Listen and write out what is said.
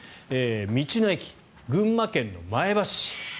道の駅、群馬県前橋市。